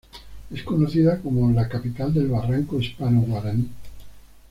Es conocida como la "Capital del Barroco Hispano-Guaraní".